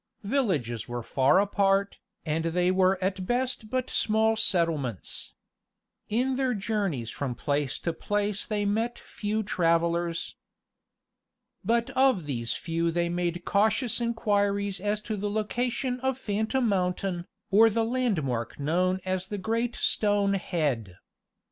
Villages were far apart, and they were at best but small settlements. In their journeys from place to place they met few travelers. But of these few they made cautious inquiries as to the location of Phantom Mountain, or the landmark known as the great stone head.